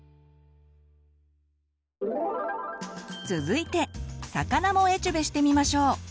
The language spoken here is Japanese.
続いて魚もエチュベしてみましょう。